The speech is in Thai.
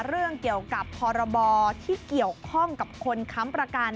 เรื่องเกี่ยวกับพรบที่เกี่ยวข้องกับคนค้ำประกัน